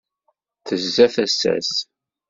Tezza tasa-s.